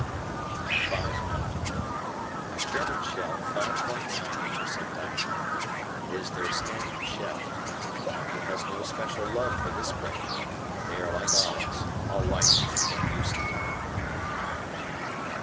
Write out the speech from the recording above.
"Five nine." A German shell 5.9 inches in diameter. It is their standard shell. Tommy has no special love for this brand, but they are like olives, all right when you get used to them.